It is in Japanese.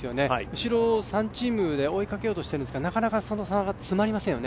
後ろ３チームで追いかけようとしているんですが、なかなかその差が詰まりませんよね。